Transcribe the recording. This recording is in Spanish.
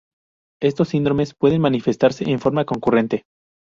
Estos síndromes pueden manifestarse en forma concurrente.